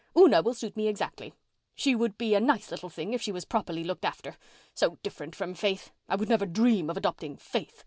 Una will suit me exactly. She would be a nice little thing if she was properly looked after—so different from Faith. I would never dream of adopting Faith.